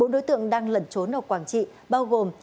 bốn đối tượng đang lẩn trốn ở quảng trị bao gồm